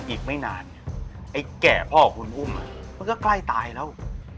อีกไม่นานเนี่ยไอ้แก่พ่อของคุณอุ้มมันก็ใกล้ตายแล้ว